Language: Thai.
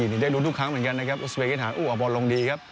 ที่นี่ได้รู้ทุกครั้งเหมือนกันนะครับอู๋เอาบอลลงดีครับ